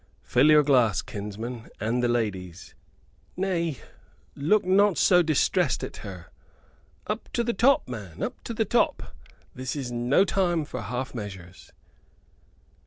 Fill your glass, kinsman, and the lady's. Nay, look not so distressed at her; up to the top, man, up to the top! This is no time for half measures."